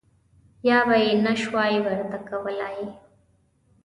یا به یې نه شوای ورته کولای.